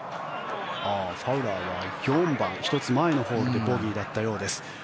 ファウラーは４番１つ前のホールでボギーだったようです。